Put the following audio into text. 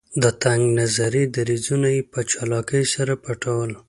د تنګ نظري دریځونه یې په چالاکۍ سره پټول.